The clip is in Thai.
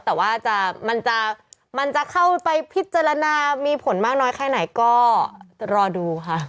แต่ว่ามันจะเข้าไปพิจารณามีผลมากน้อยแค่ไหนก็รอดูค่ะ